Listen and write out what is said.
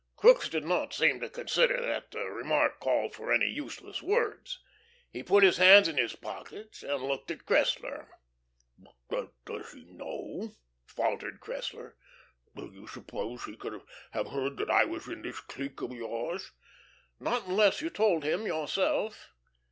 Crookes did not seem to consider that the remark called for any useless words. He put his hands in his pockets and looked at Cressler. "Does he know?" faltered Cressler. "Do you suppose he could have heard that I was in this clique of yours?" "Not unless you told him yourself."